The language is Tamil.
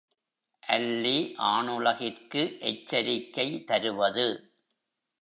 அல்லி ஆணுலகிற்கு எச்சரிக்கை தருவது.